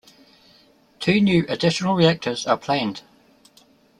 Two new additional reactors are planned.